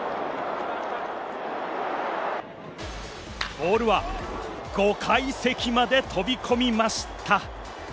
ボールは５階席まで飛び込みました。